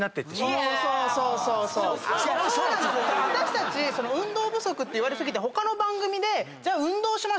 私たち運動不足って言われ過ぎて他の番組でじゃあ運動しましょうっていって。